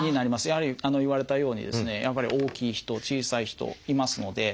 やはり言われたようにですね大きい人小さい人いますので。